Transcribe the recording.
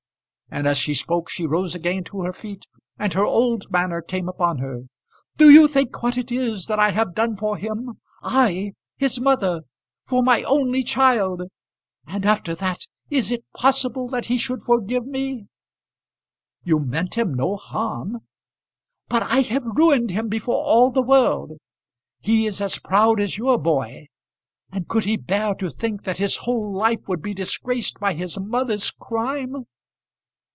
And as she spoke she rose again to her feet, and her old manner came upon her. "Do you think what it is that I have done for him? I, his mother, for my only child? And after that, is it possible that he should forgive me?" "You meant him no harm." "But I have ruined him before all the world. He is as proud as your boy; and could he bear to think that his whole life would be disgraced by his mother's crime?"